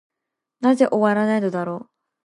なぜ終わないのだろう。